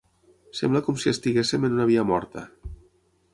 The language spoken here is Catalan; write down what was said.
Sembla com si estiguéssim en una via morta.